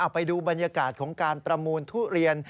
ไปดูบรรยากาศของการประมูลทุเรียน